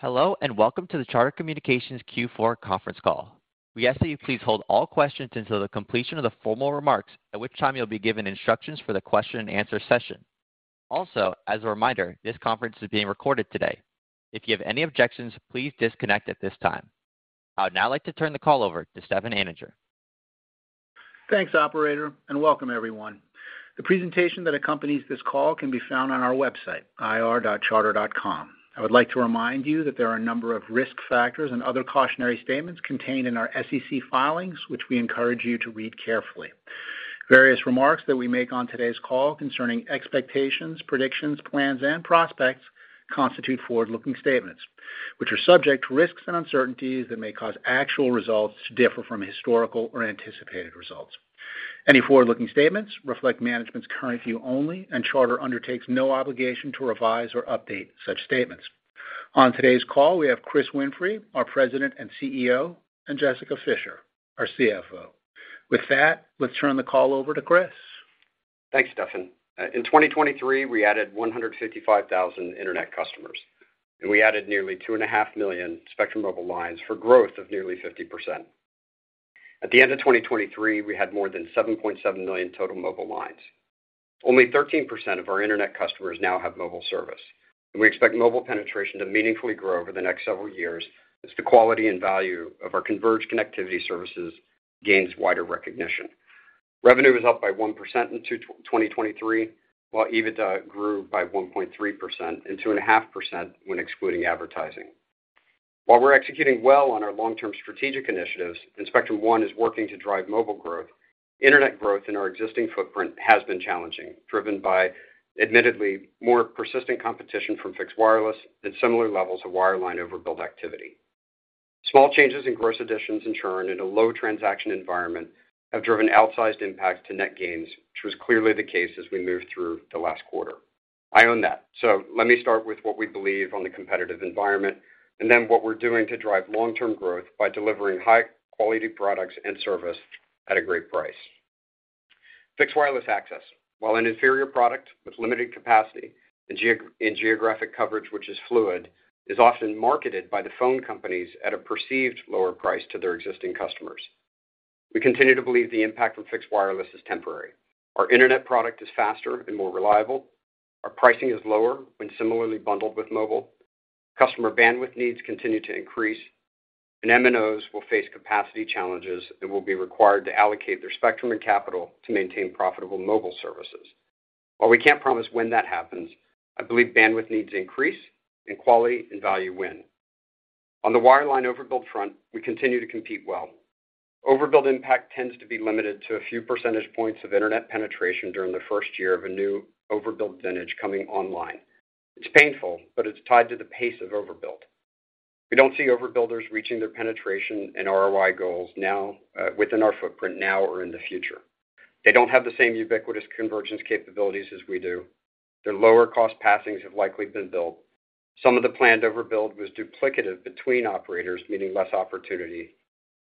Hello, and welcome to the Charter Communications Q4 conference call. We ask that you please hold all questions until the completion of the formal remarks, at which time you'll be given instructions for the question and answer session. Also, as a reminder, this conference is being recorded today. If you have any objections, please disconnect at this time. I would now like to turn the call over to Stefan Anninger. Thanks, operator, and welcome everyone. The presentation that accompanies this call can be found on our website, ir.charter.com. I would like to remind you that there are a number of risk factors and other cautionary statements contained in our SEC filings, which we encourage you to read carefully. Various remarks that we make on today's call concerning expectations, predictions, plans, and prospects constitute forward-looking statements, which are subject to risks and uncertainties that may cause actual results to differ from historical or anticipated results. Any forward-looking statements reflect management's current view only, and Charter undertakes no obligation to revise or update such statements. On today's call, we have Chris Winfrey, our President and CEO, and Jessica Fischer, our CFO. With that, let's turn the call over to Chris. Thanks, Stefan. In 2023, we added 155,000 internet customers, and we added nearly 2.5 million Spectrum Mobile lines for growth of nearly 50%. At the end of 2023, we had more than 7.7 million total mobile lines. Only 13% of our internet customers now have mobile service, and we expect mobile penetration to meaningfully grow over the next several years as the quality and value of our converged connectivity services gains wider recognition. Revenue was up by 1% in 2023, while EBITDA grew by 1.3% and 2.5% when excluding advertising. While we're executing well on our long-term strategic initiatives and Spectrum One is working to drive mobile growth, internet growth in our existing footprint has been challenging, driven by admittedly more persistent competition from fixed wireless and similar levels of wireline overbuild activity. Small changes in gross additions and churn in a low transaction environment have driven outsized impacts to net gains, which was clearly the case as we moved through the last quarter. I own that. Let me start with what we believe on the competitive environment and then what we're doing to drive long-term growth by delivering high-quality products and service at a great price. Fixed wireless access, while an inferior product with limited capacity and geo-and geographic coverage, which is fluid, is often marketed by the phone companies at a perceived lower price to their existing customers. We continue to believe the impact from fixed wireless is temporary. Our internet product is faster and more reliable, our pricing is lower when similarly bundled with mobile. Customer bandwidth needs continue to increase, and MNOs will face capacity challenges and will be required to allocate their spectrum and capital to maintain profitable mobile services. While we can't promise when that happens, I believe bandwidth needs increase and quality and value win. On the wireline overbuild front, we continue to compete well. Overbuild impact tends to be limited to a few percentage points of internet penetration during the first year of a new overbuild vintage coming online. It's painful, but it's tied to the pace of overbuild. We don't see overbuilders reaching their penetration and ROI goals now, within our footprint now or in the future. They don't have the same ubiquitous convergence capabilities as we do. Their lower cost passings have likely been built. Some of the planned overbuild was duplicative between operators, meaning less opportunity,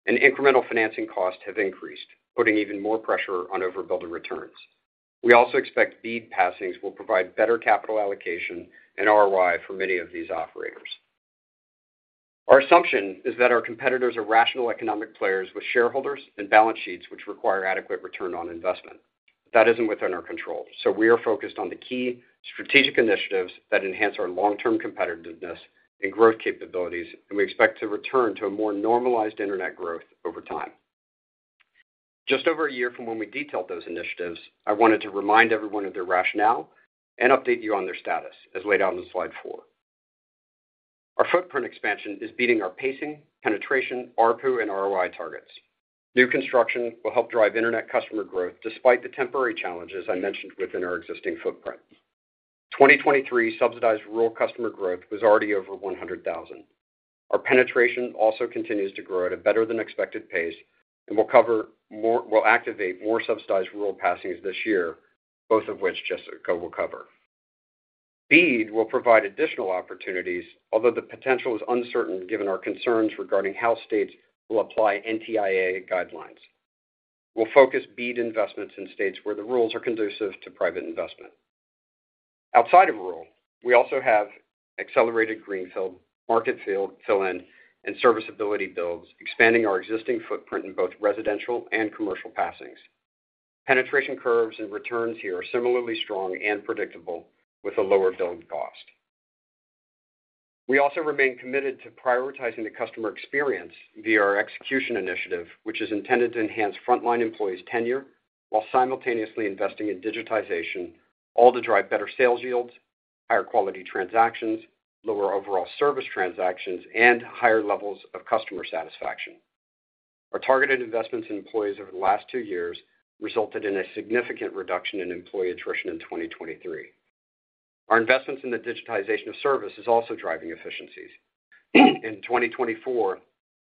and incremental financing costs have increased, putting even more pressure on overbuilder returns. We also expect BEAD passings will provide better capital allocation and ROI for many of these operators. Our assumption is that our competitors are rational economic players with shareholders and balance sheets, which require adequate return on investment. That isn't within our control, so we are focused on the key strategic initiatives that enhance our long-term competitiveness and growth capabilities, and we expect to return to a more normalized internet growth over time. Just over a year from when we detailed those initiatives, I wanted to remind everyone of their rationale and update you on their status as laid out in slide four. Our footprint expansion is beating our pacing, penetration, ARPU, and ROI targets. New construction will help drive internet customer growth despite the temporary challenges I mentioned within our existing footprint. 2023 subsidized rural customer growth was already over 100,000. Our penetration also continues to grow at a better-than-expected pace and will cover more, will activate more subsidized rural passings this year, both of which Jessica will cover. BEAD will provide additional opportunities, although the potential is uncertain given our concerns regarding how states will apply NTIA guidelines. We'll focus BEAD investments in states where the rules are conducive to private investment. Outside of rural, we also have accelerated greenfield, market field fill-in, and serviceability builds, expanding our existing footprint in both residential and commercial passings. Penetration curves and returns here are similarly strong and predictable, with a lower build cost. We also remain committed to prioritizing the customer experience via our execution initiative, which is intended to enhance frontline employees' tenure while simultaneously investing in digitization, all to drive better sales yields, higher quality transactions, lower overall service transactions, and higher levels of customer satisfaction. Our targeted investments in employees over the last two years resulted in a significant reduction in employee attrition in 2023. Our investments in the digitization of service is also driving efficiencies. In 2024,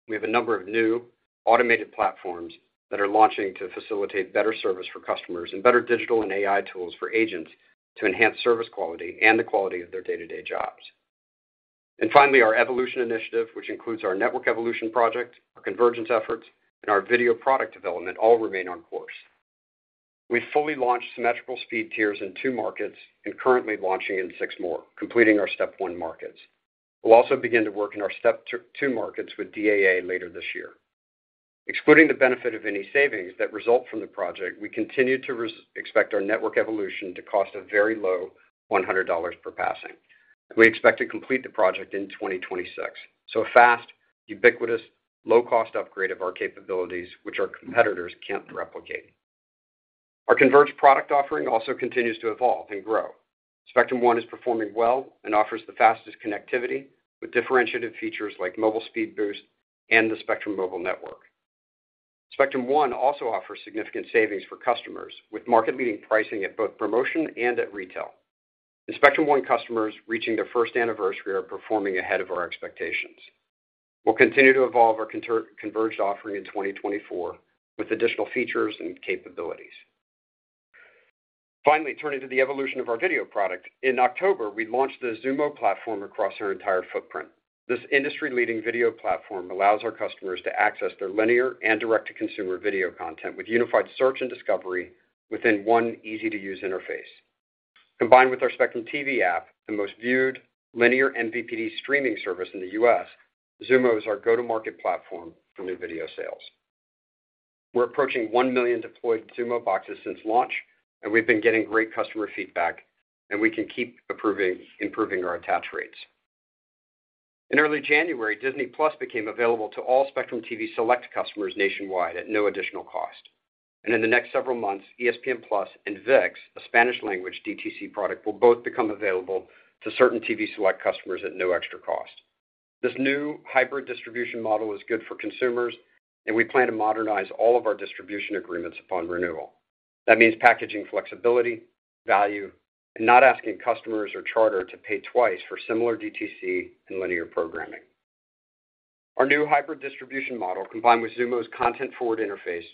we have a number of new automated platforms that are launching to facilitate better service for customers and better digital and AI tools for agents to enhance service quality and the quality of their day-to-day jobs. And finally, our evolution initiative, which includes our network evolution project, our convergence efforts, and our video product development, all remain on course... We fully launched symmetrical speed tiers in two markets and currently launching in six more, completing our step one markets. We'll also begin to work in our step two markets with DAA later this year. Excluding the benefit of any savings that result from the project, we continue to expect our network evolution to cost a very low $100 per passing. We expect to complete the project in 2026, so a fast, ubiquitous, low-cost upgrade of our capabilities, which our competitors can't replicate. Our converged product offering also continues to evolve and grow. Spectrum One is performing well and offers the fastest connectivity, with differentiated features like Mobile Speed Boost and the Spectrum Mobile Network. Spectrum One also offers significant savings for customers, with market-leading pricing at both promotion and at retail. The Spectrum One customers reaching their first anniversary are performing ahead of our expectations. We'll continue to evolve our converged offering in 2024, with additional features and capabilities. Finally, turning to the evolution of our video product. In October, we launched the Xumo platform across our entire footprint. This industry-leading video platform allows our customers to access their linear and direct-to-consumer video content with unified search and discovery within one easy-to-use interface. Combined with our Spectrum TV app, the most viewed linear MVPD streaming service in the U.S., Xumo is our go-to-market platform for new video sales. We're approaching 1 million deployed Xumo boxes since launch, and we've been getting great customer feedback, and we can keep improving our attach rates. In early January, Disney+ became available to all Spectrum TV Select customers nationwide at no additional cost. And in the next several months, ESPN+ and ViX, a Spanish language DTC product, will both become available to certain TV Select customers at no extra cost. This new hybrid distribution model is good for consumers, and we plan to modernize all of our distribution agreements upon renewal. That means packaging flexibility, value, and not asking customers or Charter to pay twice for similar DTC and linear programming. Our new hybrid distribution model, combined with Xumo's content-forward interface,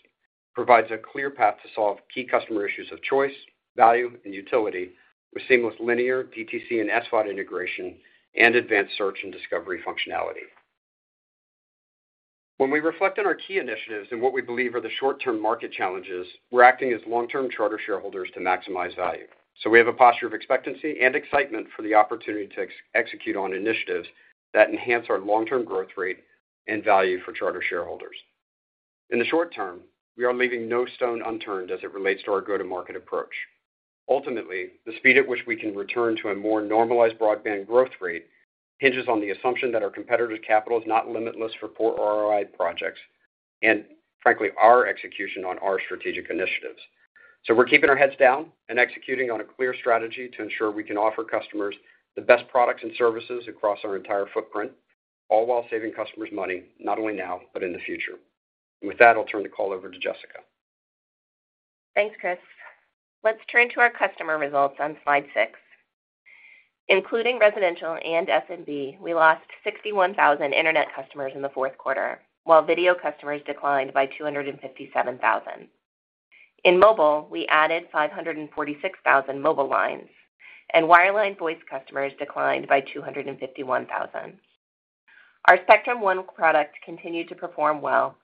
provides a clear path to solve key customer issues of choice, value, and utility with seamless linear, DTC, and SVOD integration and advanced search and discovery functionality. When we reflect on our key initiatives and what we believe are the short-term market challenges, we're acting as long-term Charter shareholders to maximize value. So we have a posture of expectancy and excitement for the opportunity to execute on initiatives that enhance our long-term growth rate and value for Charter shareholders. In the short term, we are leaving no stone unturned as it relates to our go-to-market approach. Ultimately, the speed at which we can return to a more normalized broadband growth rate hinges on the assumption that our competitive capital is not limitless for poor ROI projects and frankly, our execution on our strategic initiatives. So we're keeping our heads down and executing on a clear strategy to ensure we can offer customers the best products and services across our entire footprint, all while saving customers money, not only now, but in the future. With that, I'll turn the call over to Jessica. Thanks, Chris. Let's turn to our customer results on slide 6. Including residential and S&B, we lost 61,000 internet customers in the fourth quarter, while video customers declined by 257,000. In mobile, we added 546,000 mobile lines, and wireline voice customers declined by 251,000. Our Spectrum One product continued to perform well.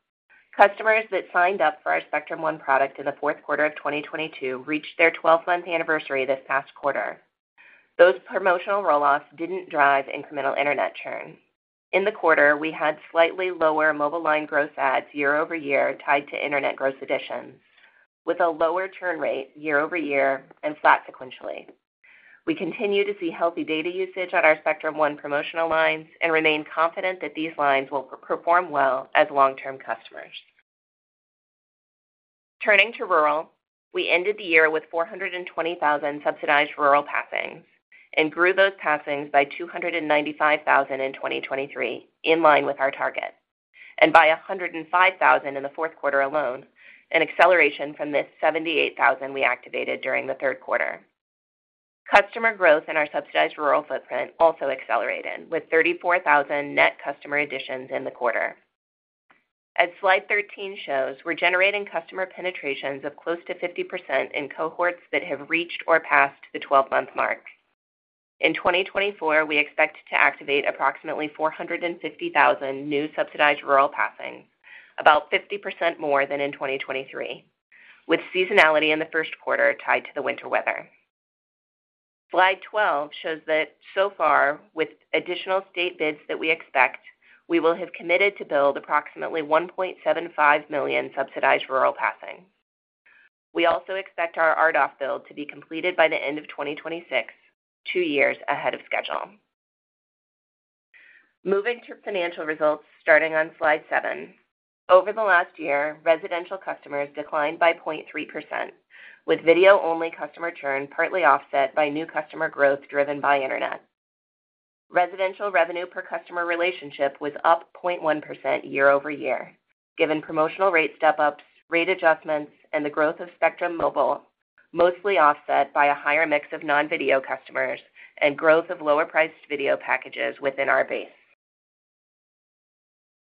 Customers that signed up for our Spectrum One product in the fourth quarter of 2022 reached their twelfth-month anniversary this past quarter. Those promotional roll-offs didn't drive incremental internet churn. In the quarter, we had slightly lower mobile line growth adds year-over-year, tied to internet growth additions, with a lower churn rate year-over-year and flat sequentially. We continue to see healthy data usage on our Spectrum One promotional lines and remain confident that these lines will perform well as long-term customers. Turning to rural, we ended the year with 420,000 subsidized rural passings and grew those passings by 295,000 in 2023, in line with our target, and by 105,000 in the fourth quarter alone, an acceleration from this 78,000 we activated during the third quarter. Customer growth in our subsidized rural footprint also accelerated, with 34,000 net customer additions in the quarter. As slide 13 shows, we're generating customer penetrations of close to 50% in cohorts that have reached or passed the 12-month mark. In 2024, we expect to activate approximately 450,000 new subsidized rural passings, about 50% more than in 2023, with seasonality in the first quarter tied to the winter weather. Slide 12 shows that so far, with additional state bids that we expect, we will have committed to build approximately 1.75 million subsidized rural passings. We also expect our RDOF build to be completed by the end of 2026, two years ahead of schedule. Moving to financial results, starting on Slide 7. Over the last year, residential customers declined by 0.3%, with video-only customer churn partly offset by new customer growth driven by internet. Residential revenue per customer relationship was up 0.1% year-over-year, given promotional rate step-ups, rate adjustments, and the growth of Spectrum Mobile, mostly offset by a higher mix of non-video customers and growth of lower-priced video packages within our base.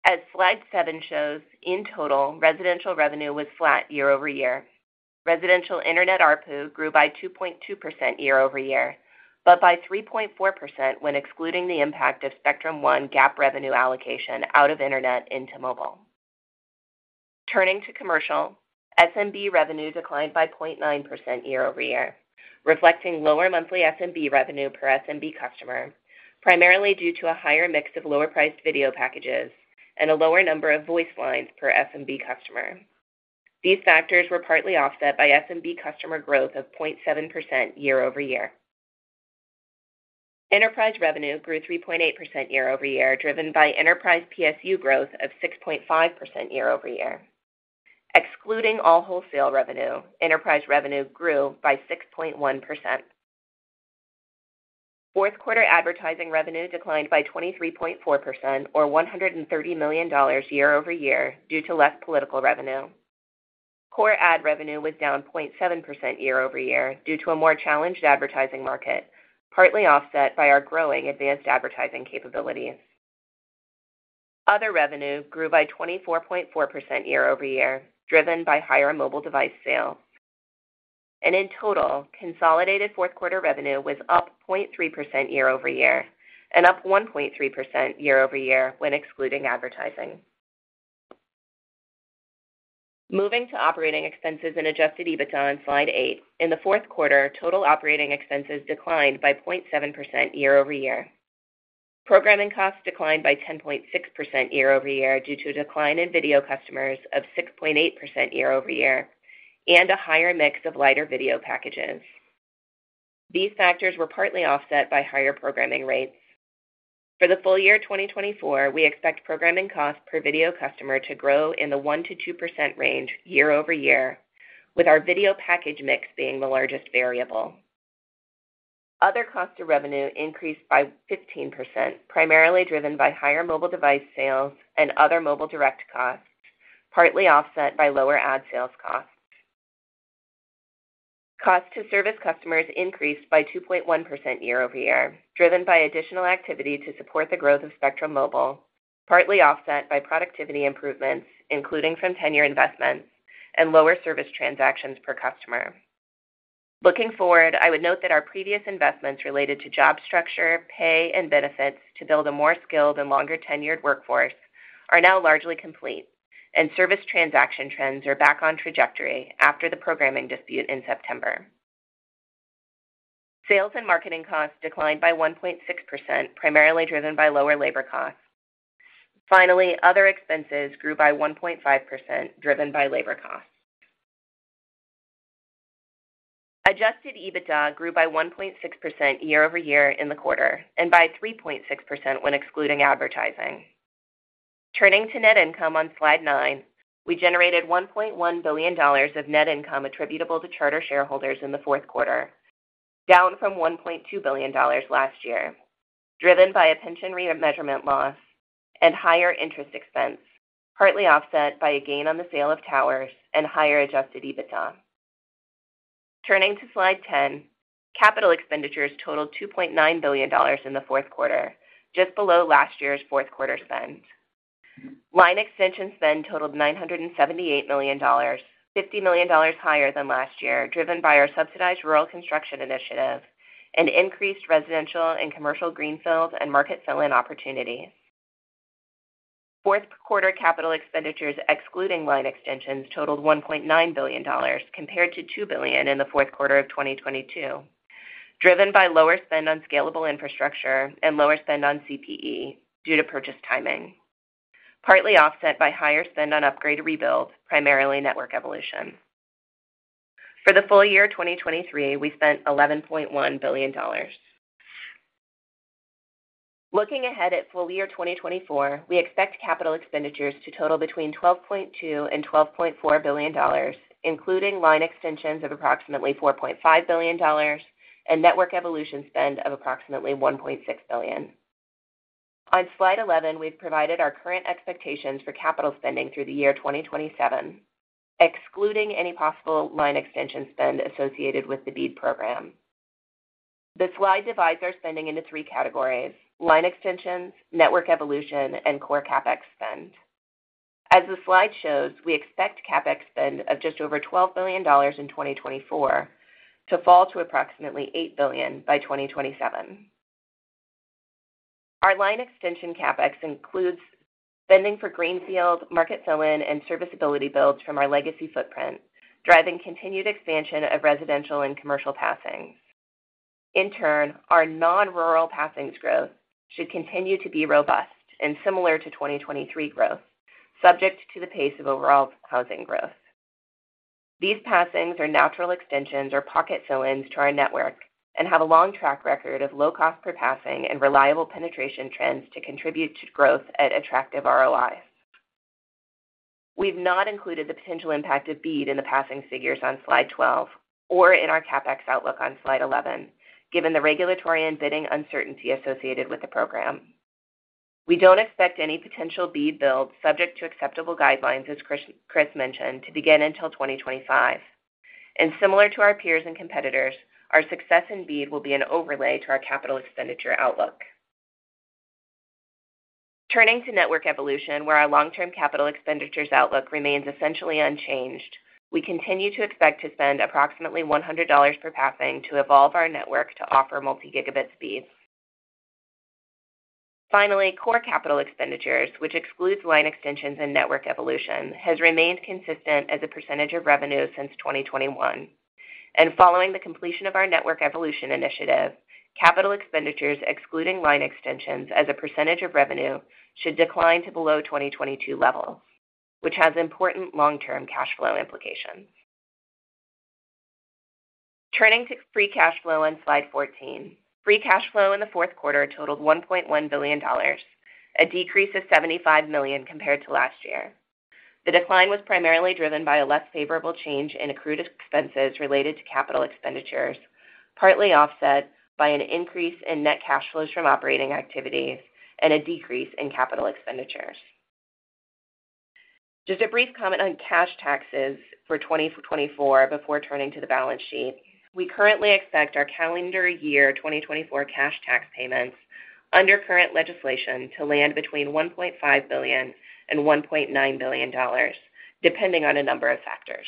As slide 7 shows, in total, residential revenue was flat year-over-year. Residential internet ARPU grew by 2.2% year-over-year, but by 3.4% when excluding the impact of Spectrum One GAAP revenue allocation out of internet into mobile.... Turning to commercial, SMB revenue declined by 0.9% year-over-year, reflecting lower monthly SMB revenue per SMB customer, primarily due to a higher mix of lower-priced video packages and a lower number of voice lines per SMB customer. These factors were partly offset by SMB customer growth of 0.7% year-over-year. Enterprise revenue grew 3.8% year-over-year, driven by enterprise PSU growth of 6.5% year-over-year. Excluding all wholesale revenue, enterprise revenue grew by 6.1%. Fourth quarter advertising revenue declined by 23.4% or $130 million year-over-year due to less political revenue. Core ad revenue was down 0.7% year-over-year due to a more challenged advertising market, partly offset by our growing advanced advertising capabilities. Other revenue grew by 24.4% year-over-year, driven by higher mobile device sales, and in total, consolidated fourth quarter revenue was up 0.3% year-over-year and up 1.3% year-over-year when excluding advertising. Moving to operating expenses and adjusted EBITDA on Slide 8. In the fourth quarter, total operating expenses declined by 0.7% year-over-year. Programming costs declined by 10.6% year-over-year due to a decline in video customers of 6.8% year-over-year and a higher mix of lighter video packages. These factors were partly offset by higher programming rates. For the full year 2024, we expect programming costs per video customer to grow in the 1%-2% range year-over-year, with our video package mix being the largest variable. Other costs of revenue increased by 15%, primarily driven by higher mobile device sales and other mobile direct costs, partly offset by lower ad sales costs. Cost to service customers increased by 2.1% year-over-year, driven by additional activity to support the growth of Spectrum Mobile, partly offset by productivity improvements, including from tenure investments and lower service transactions per customer. Looking forward, I would note that our previous investments related to job structure, pay, and benefits to build a more skilled and longer-tenured workforce are now largely complete, and service transaction trends are back on trajectory after the programming dispute in September. Sales and marketing costs declined by 1.6%, primarily driven by lower labor costs. Finally, other expenses grew by 1.5%, driven by labor costs. Adjusted EBITDA grew by 1.6% year-over-year in the quarter and by 3.6% when excluding advertising. Turning to net income on Slide 9, we generated $1.1 billion of net income attributable to Charter shareholders in the fourth quarter, down from $1.2 billion last year, driven by a pension remeasurement loss and higher interest expense, partly offset by a gain on the sale of towers and higher adjusted EBITDA. Turning to Slide 10, capital expenditures totaled $2.9 billion in the fourth quarter, just below last year's fourth quarter spend. Line extension spend totaled $978 million, $50 million higher than last year, driven by our subsidized rural construction initiative and increased residential and commercial greenfields and market fill-in opportunities. Fourth quarter capital expenditures, excluding line extensions, totaled $1.9 billion, compared to $2 billion in the fourth quarter of 2022, driven by lower spend on scalable infrastructure and lower spend on CPE due to purchase timing, partly offset by higher spend on upgrade rebuild, primarily network evolution. For the full year 2023, we spent $11.1 billion. Looking ahead at full year 2024, we expect capital expenditures to total between $12.2 billion and $12.4 billion, including line extensions of approximately $4.5 billion and network evolution spend of approximately $1.6 billion. On Slide 11, we've provided our current expectations for capital spending through the year 2027, excluding any possible line extension spend associated with the BEAD program. The slide divides our spending into three categories: line extensions, network evolution, and core CapEx spend. As the slide shows, we expect CapEx spend of just over $12 billion in 2024 to fall to approximately $8 billion by 2027. Our line extension CapEx includes spending for greenfield, market fill-in, and serviceability builds from our legacy footprint, driving continued expansion of residential and commercial passings. In turn, our non-rural passings growth should continue to be robust and similar to 2023 growth, subject to the pace of overall housing growth. These passings are natural extensions or pocket fill-ins to our network and have a long track record of low cost per passing and reliable penetration trends to contribute to growth at attractive ROI. We've not included the potential impact of BEAD in the passing figures on Slide 12 or in our CapEx outlook on Slide 11, given the regulatory and bidding uncertainty associated with the program. We don't expect any potential BEAD build subject to acceptable guidelines, as Chris mentioned, to begin until 2025. And similar to our peers and competitors, our success in BEAD will be an overlay to our capital expenditure outlook. Turning to network evolution, where our long-term capital expenditures outlook remains essentially unchanged, we continue to expect to spend approximately $100 per passing to evolve our network to offer multi-gigabit speeds. Finally, core capital expenditures, which excludes line extensions and network evolution, has remained consistent as a percentage of revenue since 2021. Following the completion of our network evolution initiative, capital expenditures, excluding line extensions as a percentage of revenue, should decline to below 2022 levels, which has important long-term cash flow implications. Turning to free cash flow on slide 14. Free cash flow in the fourth quarter totaled $1.1 billion, a decrease of $75 million compared to last year. The decline was primarily driven by a less favorable change in accrued expenses related to capital expenditures, partly offset by an increase in net cash flows from operating activities and a decrease in capital expenditures. Just a brief comment on cash taxes for 2024 before turning to the balance sheet. We currently expect our calendar year 2024 cash tax payments under current legislation, to land between $1.5 billion-$1.9 billion, depending on a number of factors.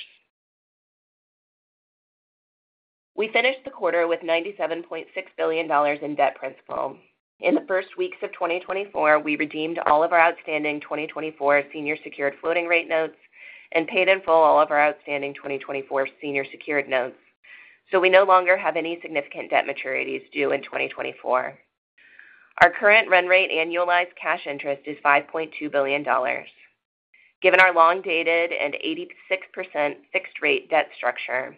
We finished the quarter with $97.6 billion in debt principal. In the first weeks of 2024, we redeemed all of our outstanding 2024 senior secured floating rate notes and paid in full all of our outstanding 2024 senior secured notes. So we no longer have any significant debt maturities due in 2024. Our current run rate annualized cash interest is $5.2 billion. Given our long-dated and 86% fixed rate debt structure,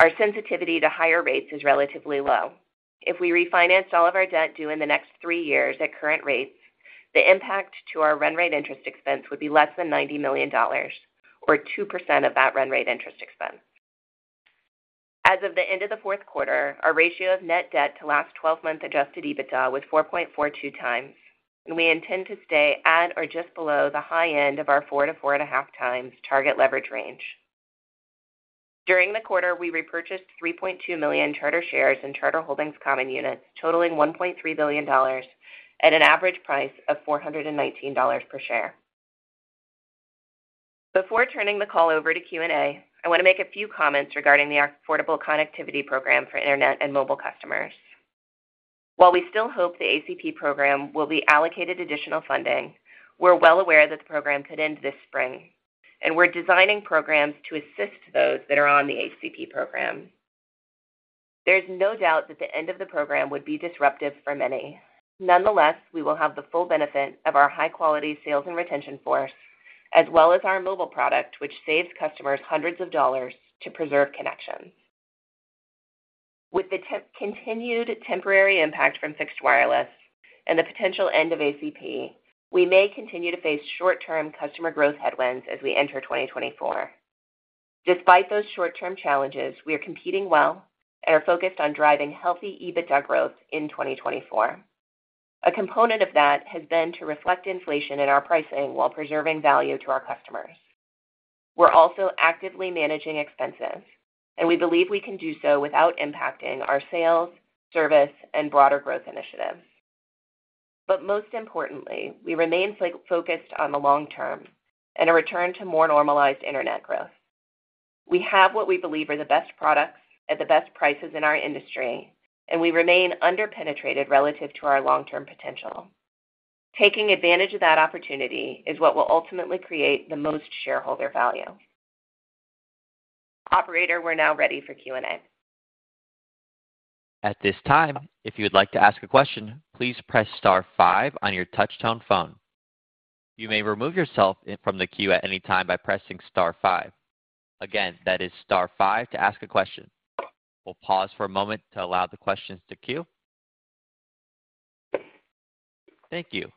our sensitivity to higher rates is relatively low. If we refinance all of our debt due in the next three years at current rates, the impact to our run rate interest expense would be less than $90 million, or 2% of that run rate interest expense. As of the end of the fourth quarter, our ratio of net debt to last twelve-month adjusted EBITDA was 4.42x, and we intend to stay at or just below the high end of our 4x-4.5x target leverage range. During the quarter, we repurchased 3.2 million Charter shares and Charter Holdings common units, totaling $1.3 billion at an average price of $419 per share. Before turning the call over to Q&A, I want to make a few comments regarding the Affordable Connectivity Program for internet and mobile customers. While we still hope the ACP program will be allocated additional funding, we're well aware that the program could end this spring, and we're designing programs to assist those that are on the ACP program. There's no doubt that the end of the program would be disruptive for many. Nonetheless, we will have the full benefit of our high-quality sales and retention force, as well as our mobile product, which saves customers hundreds of dollars to preserve connections. With the continued temporary impact from fixed wireless and the potential end of ACP, we may continue to face short-term customer growth headwinds as we enter 2024. Despite those short-term challenges, we are competing well and are focused on driving healthy EBITDA growth in 2024. A component of that has been to reflect inflation in our pricing while preserving value to our customers. We're also actively managing expenses, and we believe we can do so without impacting our sales, service, and broader growth initiatives. But most importantly, we remain focused on the long term and a return to more normalized internet growth. We have what we believe are the best products at the best prices in our industry, and we remain under-penetrated relative to our long-term potential. Taking advantage of that opportunity is what will ultimately create the most shareholder value. Operator, we're now ready for Q&A. At this time, if you would like to ask a question, please press star five on your touchtone phone. You may remove yourself from the queue at any time by pressing star five. Again, that is star five to ask a question. We'll pause for a moment to allow the questions to queue. Thank you.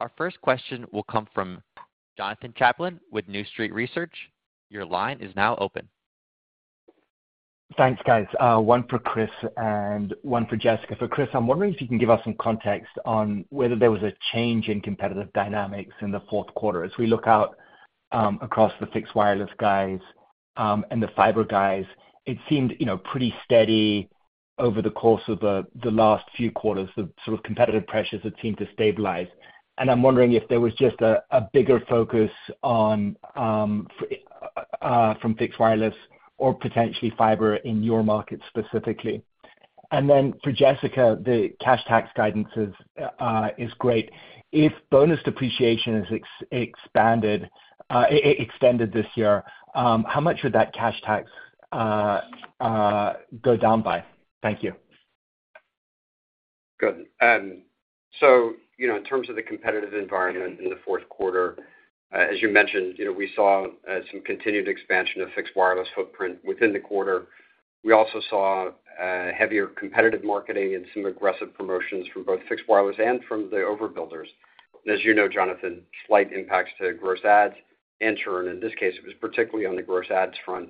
Our first question will come from Jonathan Chaplin with New Street Research. Your line is now open. Thanks, guys. One for Chris and one for Jessica. For Chris, I'm wondering if you can give us some context on whether there was a change in competitive dynamics in the fourth quarter. As we look out across the fixed wireless guys and the fiber guys, it seemed, you know, pretty steady over the course of the last few quarters. The sort of competitive pressures that seemed to stabilize. And I'm wondering if there was just a bigger focus on from fixed wireless or potentially fiber in your market specifically. And then for Jessica, the cash tax guidances is great. If bonus depreciation is extended this year, how much would that cash tax go down by? Thank you. Good. So, you know, in terms of the competitive environment in the fourth quarter, as you mentioned, you know, we saw some continued expansion of fixed wireless footprint within the quarter. We also saw heavier competitive marketing and some aggressive promotions from both fixed wireless and from the overbuilders. And as you know, Jonathan, slight impacts to gross adds in turn, in this case, it was particularly on the gross adds front,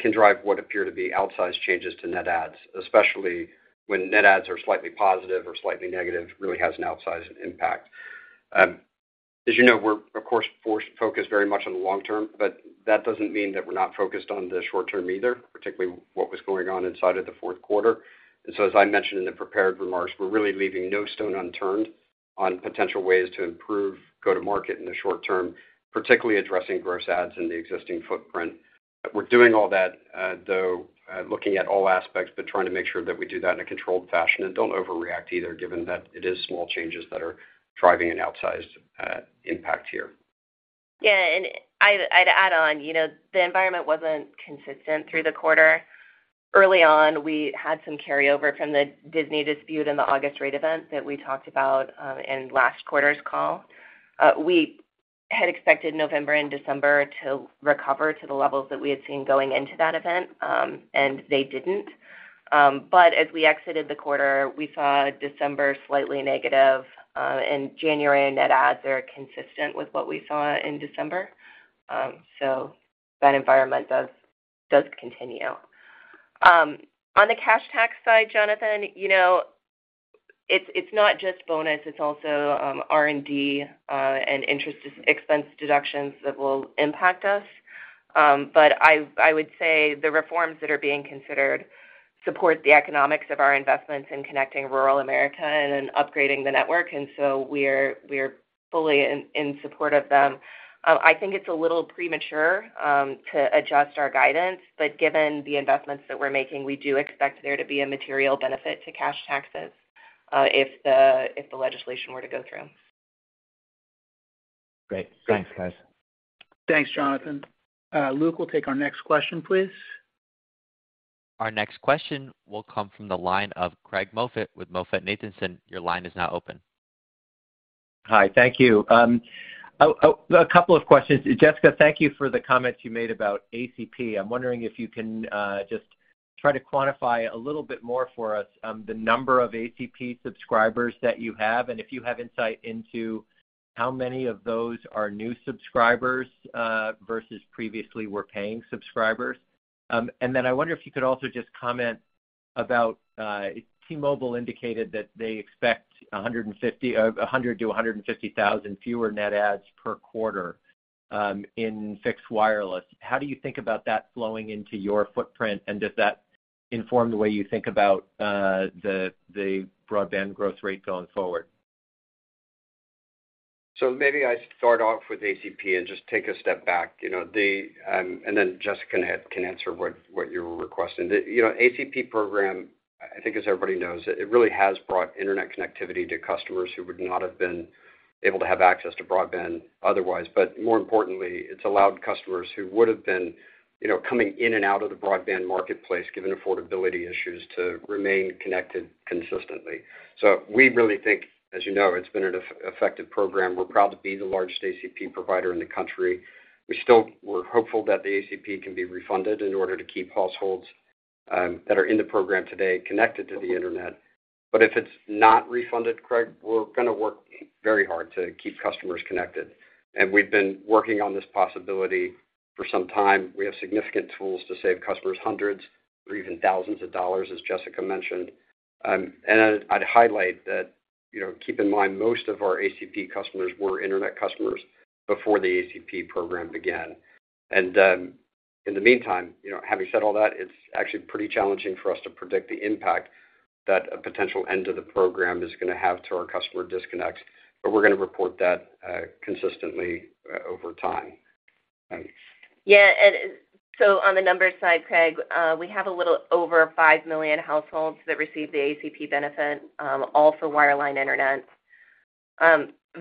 can drive what appear to be outsized changes to net adds, especially when net adds are slightly positive or slightly negative, really has an outsized impact. As you know, we're of course focused very much on the long term, but that doesn't mean that we're not focused on the short term either, particularly what was going on inside of the fourth quarter. As I mentioned in the prepared remarks, we're really leaving no stone unturned on potential ways to improve, go to market in the short term, particularly addressing gross adds in the existing footprint. But we're doing all that, though, looking at all aspects, but trying to make sure that we do that in a controlled fashion and don't overreact either, given that it is small changes that are driving an outsized impact here. Yeah, and I'd add on, you know, the environment wasn't consistent through the quarter. Early on, we had some carryover from the Disney dispute and the August rate event that we talked about in last quarter's call. We had expected November and December to recover to the levels that we had seen going into that event, and they didn't. But as we exited the quarter, we saw December slightly negative, and January net adds are consistent with what we saw in December. So that environment does continue. On the cash tax side, Jonathan, you know, it's not just bonus, it's also R&D and interest expense deductions that will impact us. But I would say the reforms that are being considered support the economics of our investments in connecting rural America and then upgrading the network, and so we're fully in support of them. I think it's a little premature to adjust our guidance, but given the investments that we're making, we do expect there to be a material benefit to cash taxes if the legislation were to go through. Great. Thanks, guys. Thanks, Jonathan. Luke, we'll take our next question, please. Our next question will come from the line of Craig Moffett with MoffettNathanson. Your line is now open. Hi, thank you. A couple of questions. Jessica, thank you for the comments you made about ACP. I'm wondering if you can just try to quantify a little bit more for us, the number of ACP subscribers that you have, and if you have insight into how many of those are new subscribers, versus previously were paying subscribers? And then I wonder if you could also just comment about, T-Mobile indicated that they expect 100-150,000 fewer net adds per quarter, in fixed wireless. How do you think about that flowing into your footprint, and does that inform the way you think about, the broadband growth rate going forward? So maybe I start off with ACP and just take a step back. You know, and then Jessica can answer what you're requesting. The, you know, ACP program, I think as everybody knows, it really has brought internet connectivity to customers who would not have been able to have access to broadband otherwise. But more importantly, it's allowed customers who would have been, you know, coming in and out of the broadband marketplace, given affordability issues, to remain connected consistently. So we really think, as you know, it's been an effective program. We're proud to be the largest ACP provider in the country. We're hopeful that the ACP can be refunded in order to keep households that are in the program today, connected to the internet. But if it's not refunded, Craig, we're gonna work very hard to keep customers connected, and we've been working on this possibility for some time. We have significant tools to save customers hundreds or even thousands of dollars, as Jessica mentioned. And I'd highlight that, you know, keep in mind, most of our ACP customers were internet customers before the ACP program began. And in the meantime, you know, having said all that, it's actually pretty challenging for us to predict the impact that a potential end to the program is gonna have to our customer disconnects, but we're gonna report that consistently over time. Yeah, and so on the numbers side, Craig, we have a little over 5 million households that receive the ACP benefit, also wireline internet.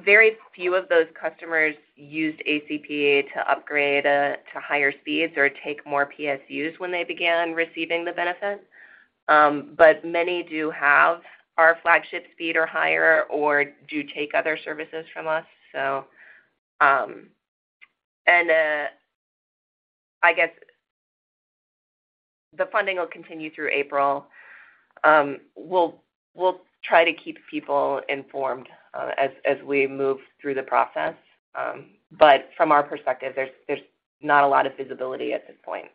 Very few of those customers used ACP to upgrade to higher speeds or take more PSUs when they began receiving the benefit. But many do have our flagship speed or higher, or do take other services from us, so... And, I guess the funding will continue through April. We'll try to keep people informed as we move through the process. But from our perspective, there's not a lot of visibility at this point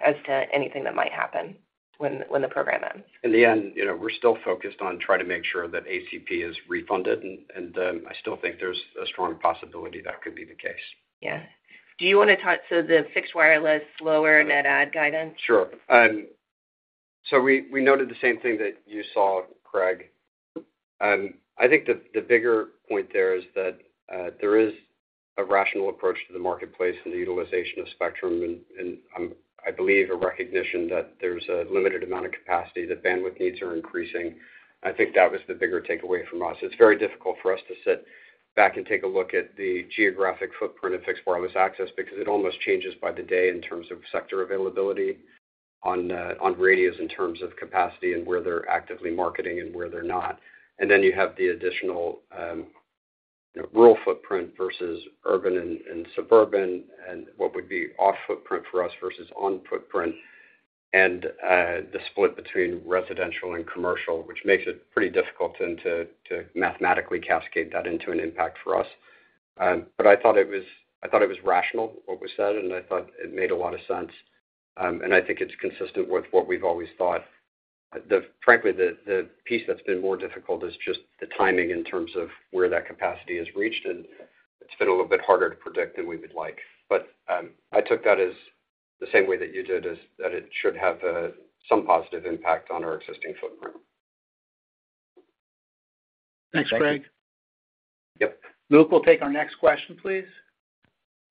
as to anything that might happen when the program ends. In the end, you know, we're still focused on trying to make sure that ACP is refunded, and I still think there's a strong possibility that could be the case. Yeah. Do you wanna talk to the fixed wireless, lower net add guidance? Sure. So we noted the same thing that you saw, Craig. I think the bigger point there is that there is a rational approach to the marketplace and the utilization of spectrum, and I believe a recognition that there's a limited amount of capacity, that bandwidth needs are increasing. I think that was the bigger takeaway from us. It's very difficult for us to sit back and take a look at the geographic footprint of fixed wireless access because it almost changes by the day in terms of sector availability on radios, in terms of capacity and where they're actively marketing and where they're not. And then you have the additional, you know, rural footprint versus urban and suburban, and what would be off footprint for us versus on footprint, and the split between residential and commercial, which makes it pretty difficult to mathematically cascade that into an impact for us. But I thought it was, I thought it was rational, what was said, and I thought it made a lot of sense. And I think it's consistent with what we've always thought. Frankly, the piece that's been more difficult is just the timing in terms of where that capacity is reached, and it's been a little bit harder to predict than we would like. But I took that as the same way that you did, is that it should have some positive impact on our existing footprint. Thanks, Greg. Yep. Luke, we'll take our next question, please.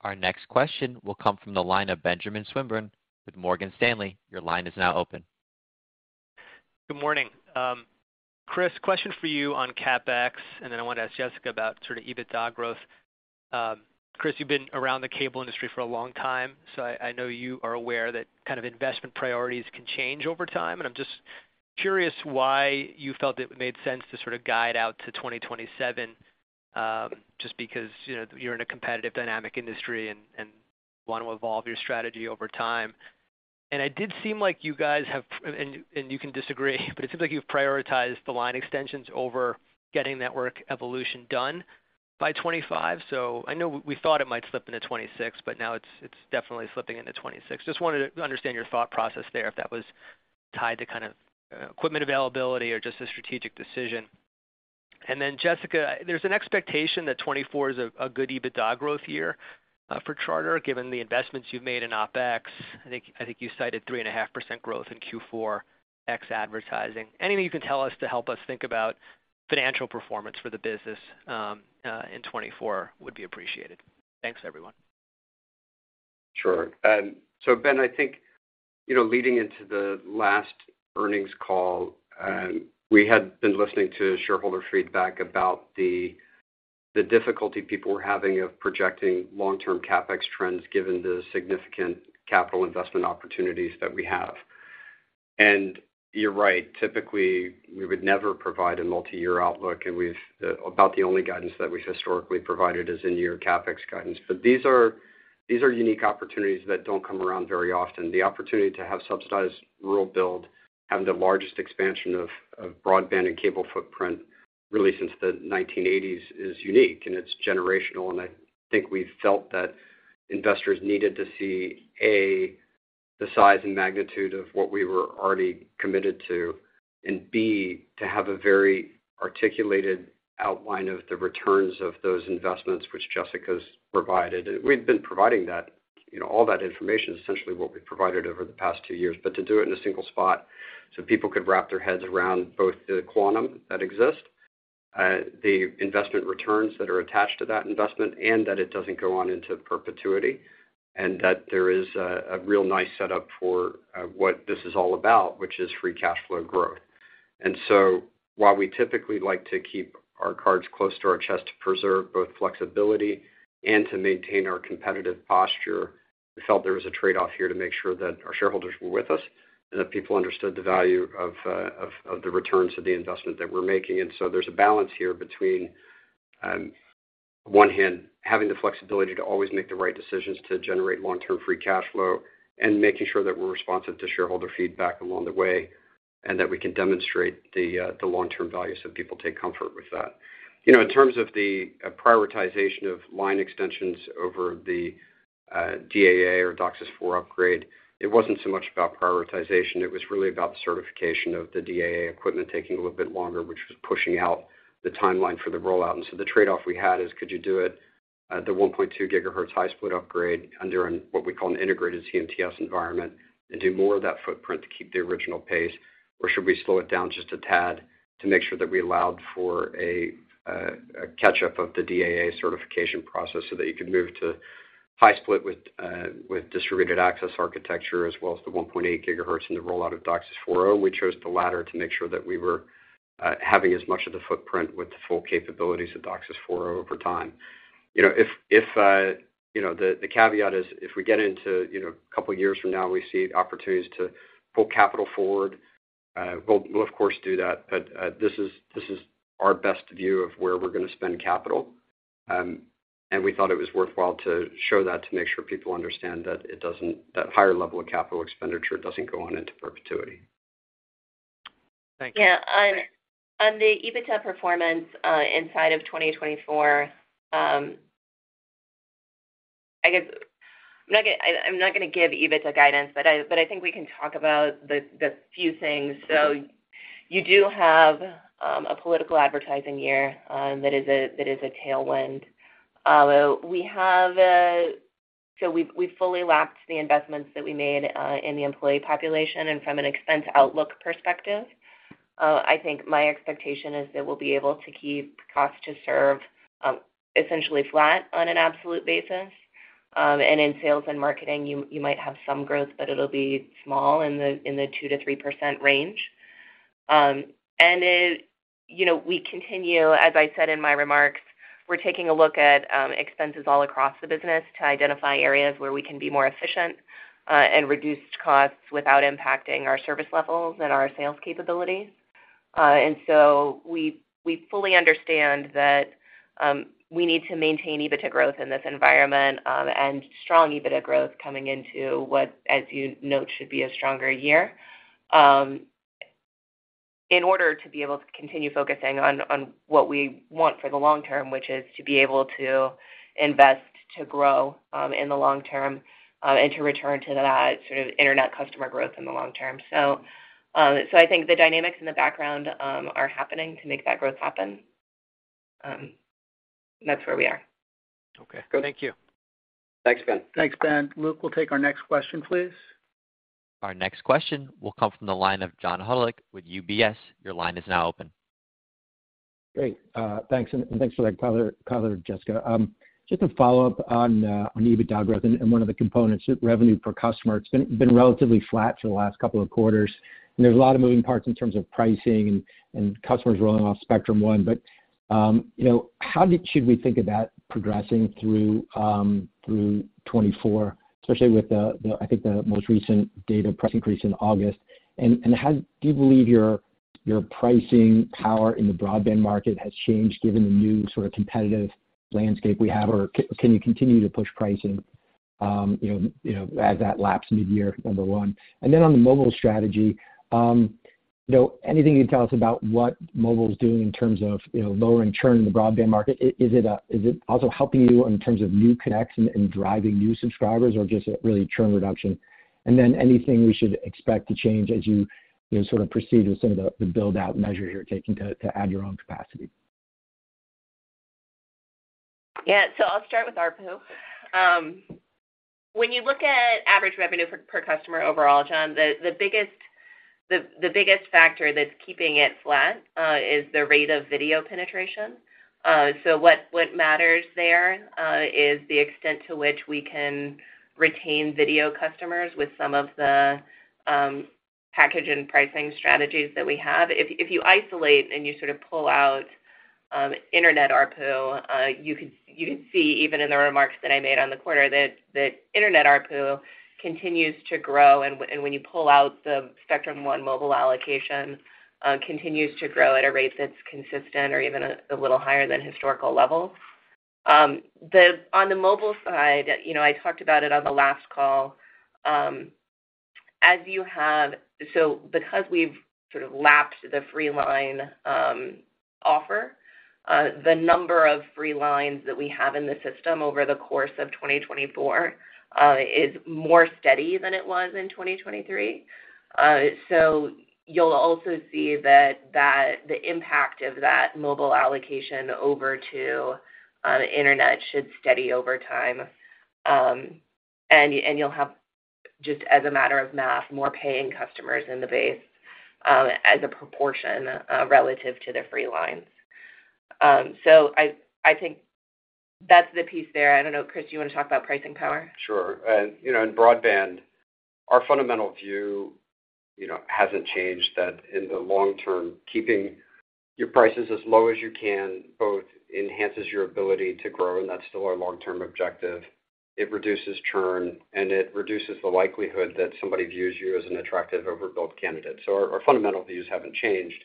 Our next question will come from the line of Benjamin Swinburne with Morgan Stanley. Your line is now open. Good morning. Chris, question for you on CapEx, and then I want to ask Jessica about sort of EBITDA growth. Chris, you've been around the cable industry for a long time, so I know you are aware that kind of investment priorities can change over time, and I'm just curious why you felt it made sense to sort of guide out to 2027, just because, you know, you're in a competitive, dynamic industry and want to evolve your strategy over time. And it did seem like you guys have, and you can disagree, but it seems like you've prioritized the line extensions over getting network evolution done by 2025. So I know we thought it might slip into 2026, but now it's definitely slipping into 2026. Just wanted to understand your thought process there, if that was tied to kind of, equipment availability or just a strategic decision. Then, Jessica, there's an expectation that 2024 is a good EBITDA growth year for Charter, given the investments you've made in OpEx. I think you cited 3.5% growth in Q4, ex advertising. Anything you can tell us to help us think about financial performance for the business in 2024 would be appreciated. Thanks, everyone. Sure. So Ben, I think, you know, leading into the last earnings call, we had been listening to shareholder feedback about the difficulty people were having of projecting long-term CapEx trends, given the significant capital investment opportunities that we have. You're right. Typically, we would never provide a multi-year outlook, and we've about the only guidance that we've historically provided is in-year CapEx guidance. But these are unique opportunities that don't come around very often. The opportunity to have subsidized rural build, having the largest expansion of broadband and cable footprint, really, since the 1980s, is unique, and it's generational. I think we felt that investors needed to see, A, the size and magnitude of what we were already committed to, and B, to have a very articulated outline of the returns of those investments, which Jessica's provided. We've been providing that. You know, all that information is essentially what we've provided over the past two years. But to do it in a single spot so people could wrap their heads around both the quantum that exists, the investment returns that are attached to that investment, and that it doesn't go on into perpetuity, and that there is a real nice setup for what this is all about, which is free cash flow growth. And so while we typically like to keep our cards close to our chest to preserve both flexibility and to maintain our competitive posture, we felt there was a trade-off here to make sure that our shareholders were with us and that people understood the value of the returns of the investment that we're making. There's a balance here between one hand, having the flexibility to always make the right decisions to generate long-term free cash flow, and making sure that we're responsive to shareholder feedback along the way, and that we can demonstrate the long-term value, so people take comfort with that. You know, in terms of the prioritization of line extensions over the DAA or DOCSIS 4 upgrade, it wasn't so much about prioritization. It was really about the certification of the DAA equipment taking a little bit longer, which was pushing out the timeline for the rollout. The trade-off we had is: Could you do it the 1.2 gigahertz high split upgrade under an, what we call an integrated CMTS environment, and do more of that footprint to keep the original pace? Or should we slow it down just a tad to make sure that we allowed for a catch-up of the DAA certification process so that you can move to high split with distributed access architecture, as well as the 1.8 gigahertz in the rollout of DOCSIS 4.0? We chose the latter to make sure that we were having as much of the footprint with the full capabilities of DOCSIS 4.0 over time. You know, if you know, the caveat is, if we get into, you know, a couple of years from now, we see opportunities to pull capital forward, we'll, we'll of course do that. But, this is our best view of where we're going to spend capital. We thought it was worthwhile to show that, to make sure people understand that it doesn't, that higher level of capital expenditure doesn't go on into perpetuity. Thank you. Yeah, on the EBITDA performance inside of 2024, I guess I'm not going to give EBITDA guidance, but I think we can talk about the few things. So you do have a political advertising year that is a tailwind. We have... So we've fully lapped the investments that we made in the employee population. And from an expense outlook perspective, I think my expectation is that we'll be able to keep costs to serve essentially flat on an absolute basis. And in sales and marketing, you might have some growth, but it'll be small, in the 2%-3% range. And it, you know, we continue, as I said in my remarks, we're taking a look at expenses all across the business to identify areas where we can be more efficient, and reduce costs without impacting our service levels and our sales capabilities. And so we, we fully understand that, we need to maintain EBITDA growth in this environment, and strong EBITDA growth coming into what, as you note, should be a stronger year. In order to be able to continue focusing on, on what we want for the long term, which is to be able to invest, to grow, in the long term, and to return to that sort of internet customer growth in the long term. So, so I think the dynamics in the background, are happening to make that growth happen. That's where we are. Okay. Thank you. Thanks, Ben. Thanks, Ben. Luke, we'll take our next question, please. Our next question will come from the line of John Hodulik with UBS. Your line is now open. Great, thanks, and and thanks for that, Tyler, Tyler and Jessica. Just to follow up on EBITDA growth and one of the components, revenue per customer, it's been relatively flat for the last couple of quarters, and there's a lot of moving parts in terms of pricing and customers rolling off Spectrum One. But, you know, should we think of that progressing through 2024, especially with the, the, I think, the most recent data price increase in August? And, do you believe your pricing power in the broadband market has changed given the new sort of competitive landscape we have? Or can you continue to push pricing, you know, you know, as that laps mid-year, number one? And then on the mobile strategy, you know, anything you can tell us about what mobile is doing in terms of, you know, lowering churn in the broadband market? Is it also helping you in terms of new connections and driving new subscribers or just really churn reduction? And then anything we should expect to change as you, you know, sort of proceed with some of the, the build-out measure you're taking to add your own capacity? Yeah. So I'll start with ARPU. When you look at average revenue per customer overall, John, the biggest factor that's keeping it flat is the rate of video penetration. So what matters there is the extent to which we can retain video customers with some of the package and pricing strategies that we have. If you isolate and you sort of pull out internet ARPU, you could see even in the remarks that I made on the quarter, that internet ARPU continues to grow, and when you pull out the Spectrum One mobile allocation, continues to grow at a rate that's consistent or even a little higher than historical levels. The-- on the mobile side, you know, I talked about it on the last call, as you have. So because we've sort of lapsed the free line offer, the number of free lines that we have in the system over the course of 2024 is more steady than it was in 2023. So you'll also see that the impact of that mobile allocation over to internet should steady over time. And you'll have, just as a matter of math, more paying customers in the base as a proportion relative to their free lines. So I think that's the piece there. I don't know. Chris, do you want to talk about pricing power? Sure. And, you know, in broadband, our fundamental view, you know, hasn't changed, that in the long term, keeping your prices as low as you can both enhances your ability to grow, and that's still our long-term objective. It reduces churn, and it reduces the likelihood that somebody views you as an attractive overbuild candidate. So our fundamental views haven't changed.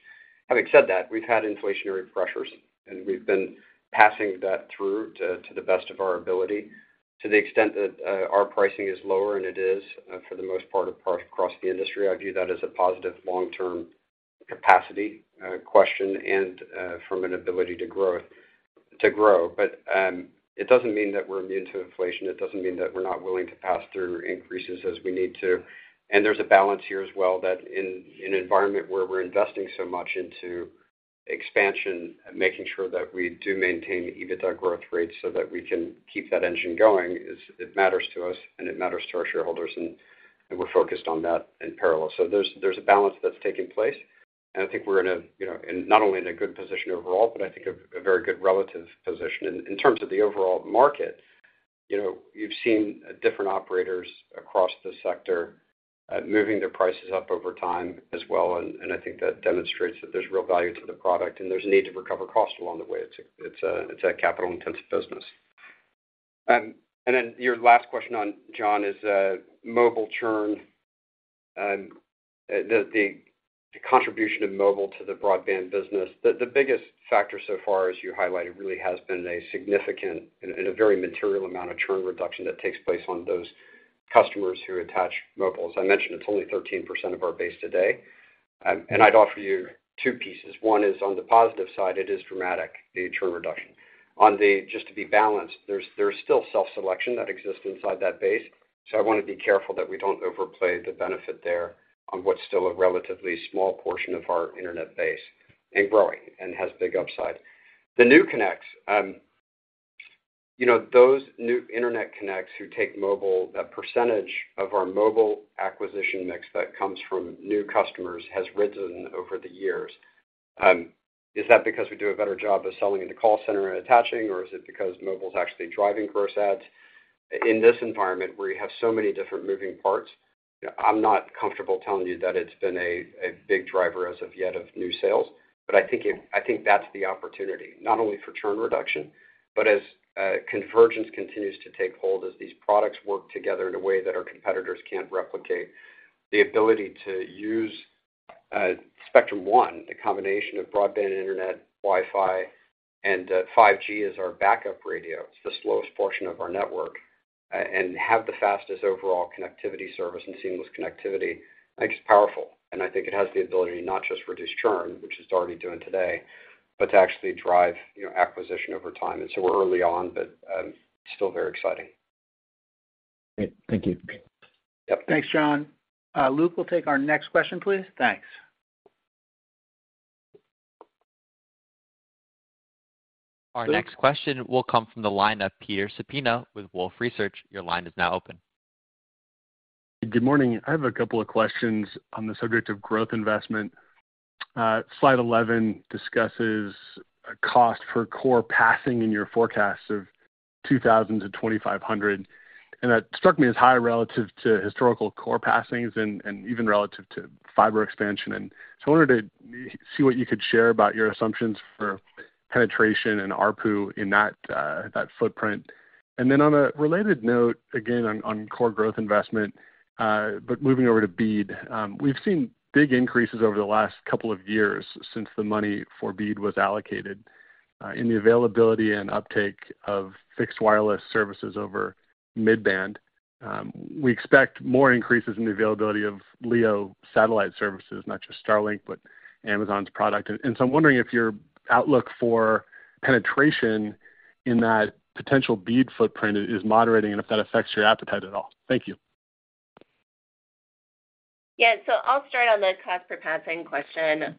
Having said that, we've had inflationary pressures, and we've been passing that through to the best of our ability. To the extent that our pricing is lower, and it is, for the most part, across the industry, I view that as a positive long-term capacity question and from an ability to grow. But it doesn't mean that we're immune to inflation. It doesn't mean that we're not willing to pass through increases as we need to. There's a balance here as well, that in an environment where we're investing so much into expansion and making sure that we do maintain EBITDA growth rates so that we can keep that engine going, it matters to us, and it matters to our shareholders, and we're focused on that in parallel. So there's a balance that's taking place, and I think we're in a, you know, in not only in a good position overall, but I think a very good relative position. In terms of the overall market, you know, you've seen different operators across the sector moving their prices up over time as well, and I think that demonstrates that there's real value to the product, and there's a need to recover cost along the way. It's a capital-intensive business. And then your last question on, John, is mobile churn. The contribution of mobile to the broadband business. The biggest factor so far, as you highlighted, really has been a significant and a very material amount of churn reduction that takes place on those customers who attach mobile. As I mentioned, it's only 13% of our base today. And I'd offer you two pieces. One is, on the positive side, it is dramatic, the churn reduction. Just to be balanced, there's still self-selection that exists inside that base, so I want to be careful that we don't overplay the benefit there on what's still a relatively small portion of our internet base, and growing and has big upside. The new connects, you know, those new internet connects who take mobile, that percentage of our mobile acquisition mix that comes from new customers has risen over the years. Is that because we do a better job of selling in the call center and attaching, or is it because mobile is actually driving gross adds? In this environment, where you have so many different moving parts, I'm not comfortable telling you that it's been a big driver as of yet of new sales. But I think that's the opportunity, not only for churn reduction, but as convergence continues to take hold, as these products work together in a way that our competitors can't replicate, the ability to use Spectrum One, a combination of broadband, internet, Wi-Fi, and 5G as our backup radio, it's the slowest portion of our network, and have the fastest overall connectivity service and seamless connectivity. I think it's powerful, and I think it has the ability to not just reduce churn, which it's already doing today, but to actually drive, you know, acquisition over time. And so we're early on, but still very exciting. Great. Thank you. Yep. Thanks, John. Luke, we'll take our next question, please. Thanks. Our next question will come from the line of Peter Supino with Wolfe Research. Your line is now open. Good morning. I have a couple of questions on the subject of growth investment. Slide 11 discusses a cost per core passing in your forecast of $2,000-$2,500, and that struck me as high relative to historical core passings and even relative to fiber expansion. So I wanted to see what you could share about your assumptions for penetration and ARPU in that footprint. Then on a related note, again on core growth investment, but moving over to BEAD. We've seen big increases over the last couple of years since the money for BEAD was allocated, in the availability and uptake of fixed wireless services over mid-band. We expect more increases in the availability of LEO satellite services, not just Starlink, but Amazon's product. And so I'm wondering if your outlook for penetration in that potential BEAD footprint is moderating and if that affects your appetite at all? Thank you. Yeah. So I'll start on the cost per passing question.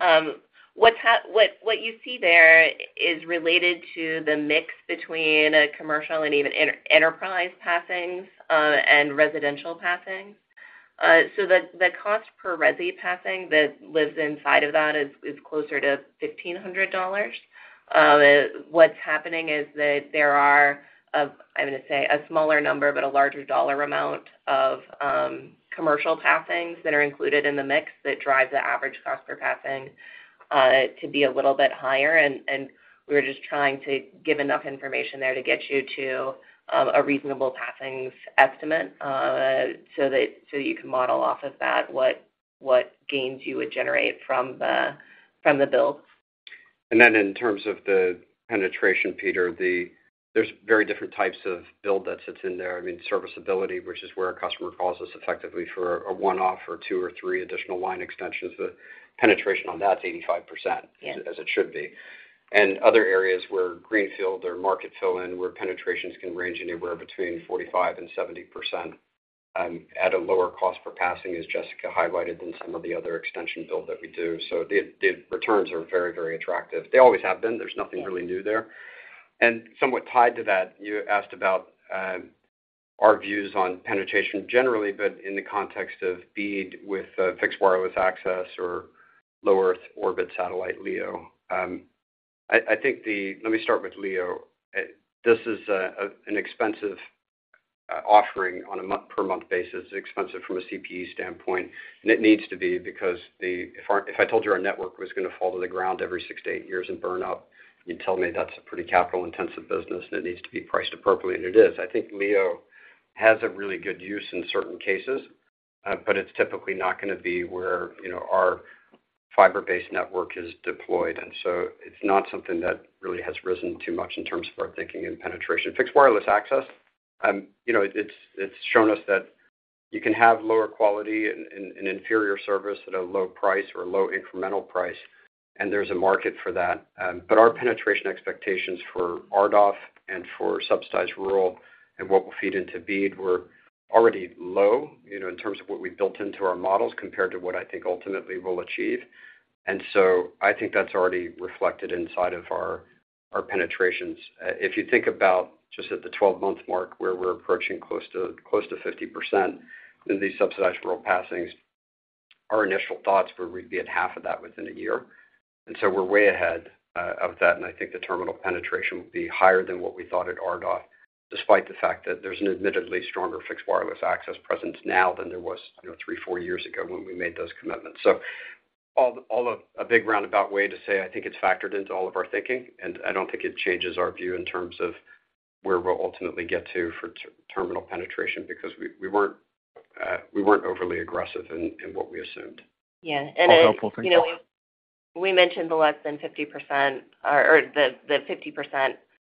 What you see there is related to the mix between a commercial and even inter-enterprise passings, and residential passings. So the cost per resi passing that lives inside of that is closer to $1,500. What's happening is that there are, I'm going to say, a smaller number, but a larger dollar amount of commercial passings that are included in the mix that drives the average cost per passing to be a little bit higher. And we're just trying to give enough information there to get you to a reasonable passings estimate, so that you can model off of that, what gains you would generate from the build. Then in terms of the penetration, Peter, there's very different types of build that sits in there. I mean, serviceability, which is where a customer calls us effectively for a one-off or two or three additional line extensions. The penetration on that is 85%. Yeah. - as it should be. And other areas where greenfield or market fill in, where penetrations can range anywhere between 45% and 70%, at a lower cost per passing, as Jessica highlighted, than some of the other extension build that we do. So the returns are very, very attractive. They always have been. There's nothing really new there. And somewhat tied to that, you asked about our views on penetration generally, but in the context of BEAD with fixed wireless access or low Earth orbit satellite, LEO. Let me start with LEO. This is an expensive offering on a month-per-month basis. It's expensive from a CPE standpoint, and it needs to be, because the, if I, if I told you our network was going to fall to the ground every 6-8 years and burn up, you'd tell me that's a pretty capital-intensive business, and it needs to be priced appropriately, and it is. I think LEO has a really good use in certain cases, but it's typically not going to be where, you know, our fiber-based network is deployed, and so it's not something that really has risen too much in terms of our thinking and penetration. Fixed wireless access, you know, it's shown us that you can have lower quality and inferior service at a low price or a low incremental price, and there's a market for that. But our penetration expectations for RDOF and for subsidized rural and what will feed into BEAD were already low, you know, in terms of what we built into our models, compared to what I think ultimately we'll achieve. And so I think that's already reflected inside of our, our penetrations. If you think about just at the 12-month mark, where we're approaching close to, close to 50% in these subsidized rural passings, our initial thoughts were we'd be at half of that within a year, and so we're way ahead of that. And I think the terminal penetration will be higher than what we thought at RDOF, despite the fact that there's an admittedly stronger fixed wireless access presence now than there was, you know, 3, 4 years ago when we made those commitments. So, a big roundabout way to say, I think it's factored into all of our thinking, and I don't think it changes our view in terms of where we'll ultimately get to for terminal penetration, because we weren't overly aggressive in what we assumed. Yeah. All helpful, thank you. And, you know, we mentioned the less than 50% or the 50%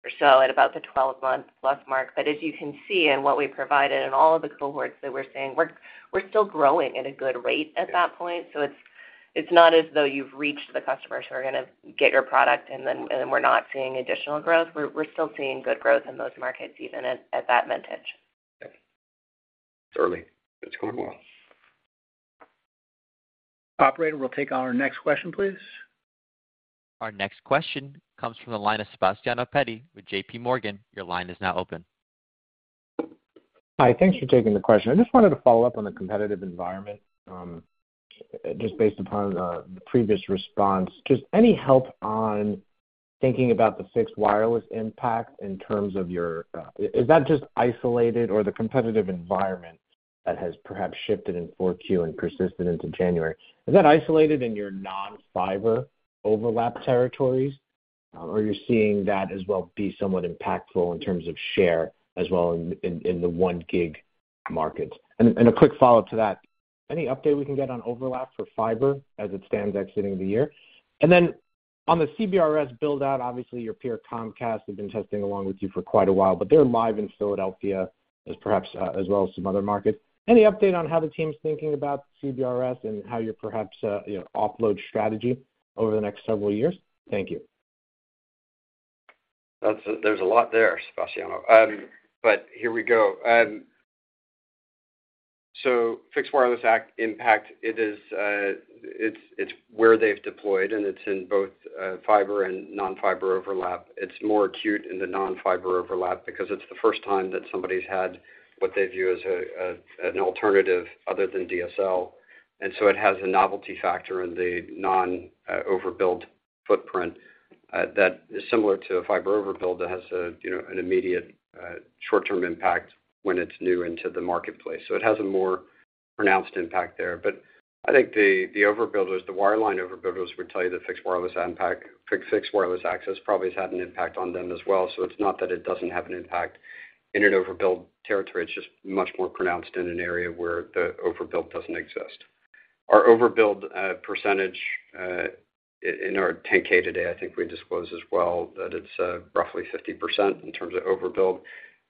or so at about the 12-month plus mark, but as you can see in what we provided and all of the cohorts that we're seeing, we're still growing at a good rate at that point. So it's not as though you've reached the customers who are going to get your product, and then we're not seeing additional growth. We're still seeing good growth in those markets, even at that vintage. Yeah. It's early, but it's going well. Operator, we'll take our next question, please. Our next question comes from the line of Sebastiano Petti with JP Morgan. Your line is now open. Hi, thanks for taking the question. I just wanted to follow up on the competitive environment, just based upon the previous response. Just any help on thinking about the fixed wireless impact in terms of your. Is that just isolated or the competitive environment that has perhaps shifted in Q4 and persisted into January? Is that isolated in your non-fiber overlap territories, or are you seeing that as well be somewhat impactful in terms of share as well in the 1 gig markets? And a quick follow-up to that, any update we can get on overlap for fiber as it stands exiting the year? And then on the CBRS build-out, obviously, your peer, Comcast, have been testing along with you for quite a while, but they're live in Philadelphia, as perhaps as well as some other markets. Any update on how the team's thinking about CBRS and how your perhaps, you know, offload strategy over the next several years? Thank you. That's-- There's a lot there, Sebastiano, but here we go. So fixed wireless access impact, it is, it's, it's where they've deployed, and it's in both, fiber and non-fiber overlap. It's more acute in the non-fiber overlap because it's the first time that somebody's had what they view as a, a, an alternative other than DSL. And so it has a novelty factor in the non, overbuild footprint, that is similar to a fiber overbuild that has a, you know, an immediate, short-term impact when it's new into the marketplace. So it has a more pronounced impact there. But I think the, the overbuilders, the wireline overbuilders, would tell you that fixed wireless impact, fixed wireless access probably has had an impact on them as well. So it's not that it doesn't have an impact in an overbuild territory, it's just much more pronounced in an area where the overbuild doesn't exist. Our overbuild percentage in our 10-K today, I think we disclose as well, that it's roughly 50% in terms of overbuild.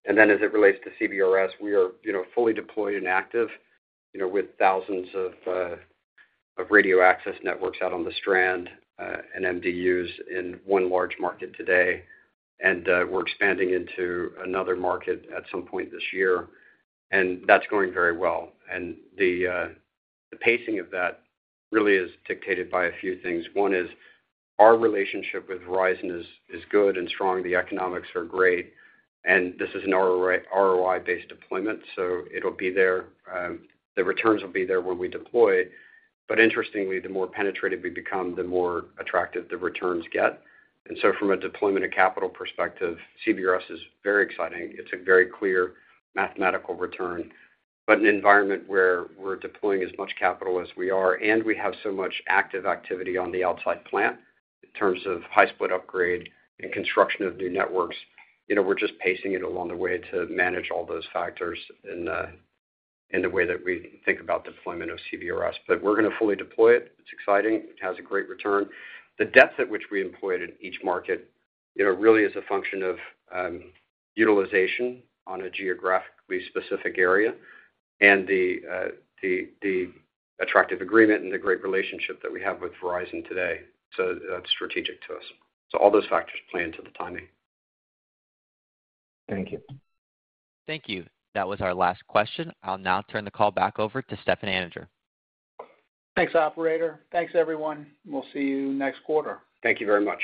And then as it relates to CBRS, we are, you know, fully deployed and active, you know, with thousands of radio access networks out on the strand and MDUs in one large market today. And we're expanding into another market at some point this year, and that's going very well. And the pacing of that really is dictated by a few things. One is, our relationship with Verizon is good and strong, the economics are great, and this is an ROI-based deployment, so it'll be there. The returns will be there when we deploy. But interestingly, the more penetrative we become, the more attractive the returns get. And so from a deployment of capital perspective, CBRS is very exciting. It's a very clear mathematical return. But an environment where we're deploying as much capital as we are, and we have so much active activity on the outside plant, in terms of high split upgrade and construction of new networks, you know, we're just pacing it along the way to manage all those factors in the way that we think about deployment of CBRS. But we're gonna fully deploy it. It's exciting. It has a great return. The depth at which we employ it in each market, you know, really is a function of, utilization on a geographically specific area and the attractive agreement and the great relationship that we have with Verizon today. So that's strategic to us. So all those factors play into the timing. Thank you. Thank you. That was our last question. I'll now turn the call back over to Stefan Anninger. Thanks, operator. Thanks, everyone. We'll see you next quarter. Thank you very much.